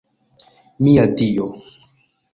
Mia Dio!